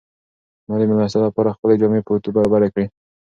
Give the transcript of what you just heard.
ما د مېلمستیا لپاره خپلې جامې په اوتو برابرې کړې.